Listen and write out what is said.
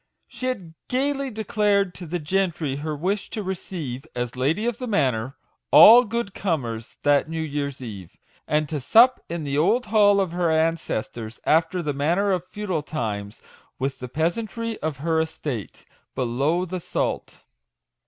She had gaily declared to the gentry her wish to receive, as lady of the manor, "all good comers," that New Year's Eve; and to sup in the old hall of her ancestors, after the manner of feudal times, with the pea santry of her estate " below the salt."